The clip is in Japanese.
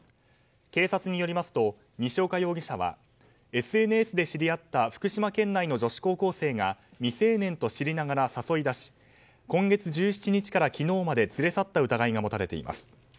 警察によりますと、西岡容疑者はＳＮＳで知り合った福島県内の女子高校生が未成年と知りながら誘い出し今月１７日から昨日まで連れ去った疑いが持たれています。